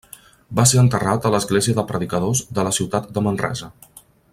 Va ser enterrat a l'església de Predicadors de la ciutat de Manresa.